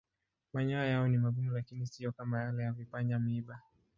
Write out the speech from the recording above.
Manyoya yao ni magumu lakini siyo kama yale ya vipanya-miiba.